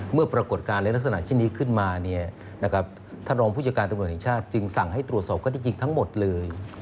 เมื่อปรากฏการณ์และลักษณะชนิดนี้ขึ้นมาเนี่ยนะครับท่านรองผู้จัดการตำแหน่งชาติจึงสั่งให้ตรวจสอบข้อดีจริงทั้งหมดเลย